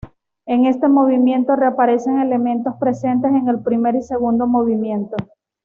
En este movimiento reaparecen elementos presentes en el primer y segundo movimiento.